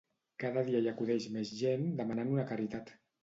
Cada dia hi acudeix més gent demanant una caritat.